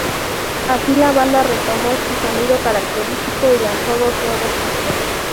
Así, la banda retomó su sonido característico y lanzó dos nuevos discos.